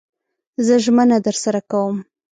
زه ژمنه درسره کوم